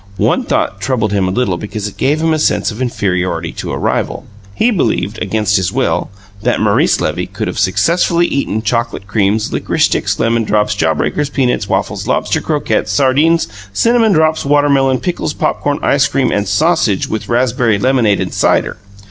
One thought troubled him a little because it gave him a sense of inferiority to a rival. He believed, against his will, that Maurice Levy could have successfully eaten chocolate creams, licorice sticks, lemon drops, jaw breakers, peanuts, waffles, lobster croquettes, sardines, cinnamon drops, watermelon, pickles, popcorn, ice cream and sausage with raspberry lemonade and cider.